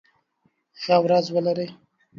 ښه ورځ ولری